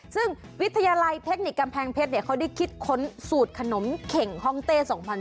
ซึ่งวิทยาลัยเทคนิคกำแพงเพชรเขาได้คิดค้นสูตรขนมเข่งฮ่องเต้๒๐๑๖